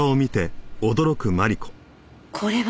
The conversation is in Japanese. これは！